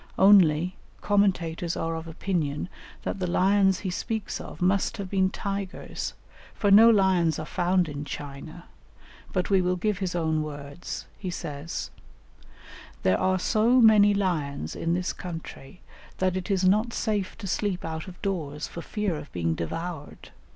Only, commentators are of opinion that the lions he speaks of must have been tigers, for no lions are found in China, but we will give his own words: he says, "There are so many lions in this country, that it is not safe to sleep out of doors for fear of being devoured.